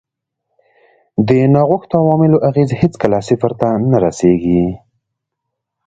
د ناغوښتو عواملو اغېز هېڅکله صفر ته نه رسیږي.